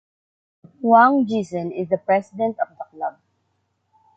Wang Jiesen is the president of the Club.